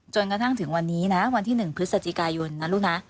จนกระทั่งถึงวันนี้นะวันที่๑พฤศจิกายนนะลูกนะ